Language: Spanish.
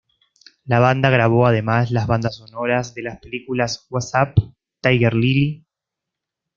La banda grabó además las bandas sonoras de las películas What's Up, Tiger Lily?